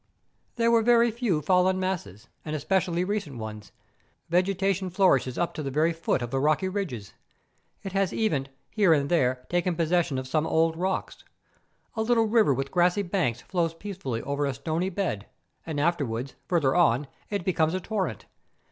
There were very few fallen masses, and especially recent ones. Vegetation flourishes up to the very foot of the rocky ridges. It has even, here and there, taken possession of some old rocks. A little river with grassy banks flows peacefully over a stony bed, and afterwards, further on, it becomes a torrent.